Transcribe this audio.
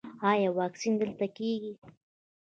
ایا واکسین دلته کیږي؟